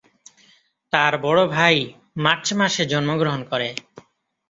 তার বড় ভাই মার্চ মাসে জন্মগ্রহণ করে।